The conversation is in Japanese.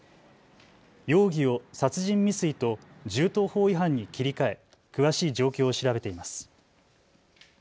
容疑を殺人未遂と銃刀法違反に切り替え詳しい状況を調べています。